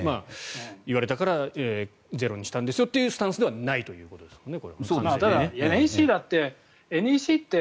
言われたからゼロにしたんですよというスタンスではないということですね。